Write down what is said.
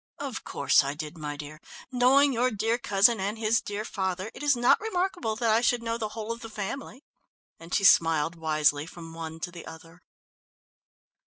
"Of course I did, my dear. Knowing your dear cousin and his dear father, it was not remarkable that I should know the whole of the family," and she smiled wisely from one to the other.